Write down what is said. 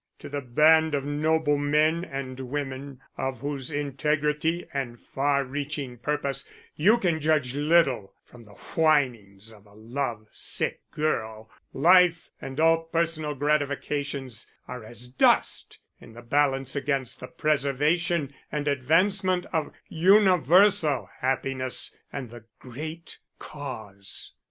To the band of noble men and women, of whose integrity and far reaching purpose you can judge little from the whinings of a love sick girl, life and all personal gratifications are as dust in the balance against the preservation and advancement of universal happiness and the great Cause.